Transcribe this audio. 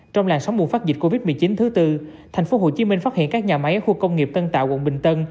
trong làn sóng bùng phát dịch covid một mươi chín thứ tư tp hcm phát hiện các nhà máy khu công nghiệp tân tạo quận bình tân